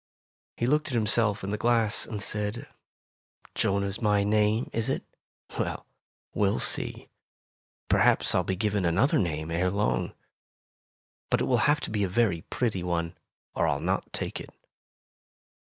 He looked at himself in the glass and said, ''Jonah's my name, is it? Well, we'll see. Perhaps I'll be given another name ere long. But it will have to be a very pretty one, or I'll not take it."